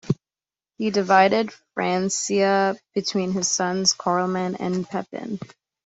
He divided Francia between his sons Carloman and Pepin.